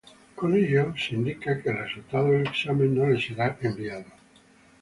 Con ello se indica que el resultado del examen no les será enviado.